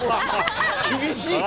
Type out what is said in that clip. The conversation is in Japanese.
厳しいよ。